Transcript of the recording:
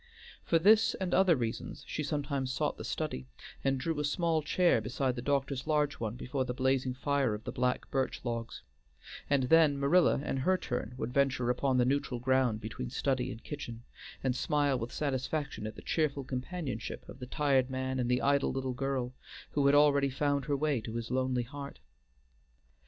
For this and other reasons she sometimes sought the study, and drew a small chair beside the doctor's large one before the blazing fire of the black birch logs; and then Marilla in her turn would venture upon the neutral ground between study and kitchen, and smile with satisfaction at the cheerful companionship of the tired man and the idle little girl who had already found her way to his lonely heart.